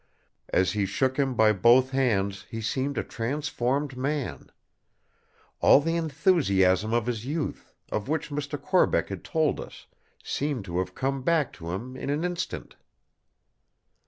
As he shook him by both hands, he seemed a transformed man. All the enthusiasm of his youth, of which Mr. Corbeck had told us, seemed to have come back to him in an instant.